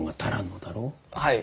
はい。